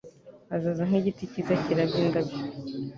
Azaza nk'igiti cyiza kirabya indabyo